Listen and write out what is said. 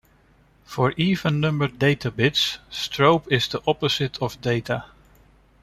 For even-numbered Data bits, Strobe is the opposite of Data.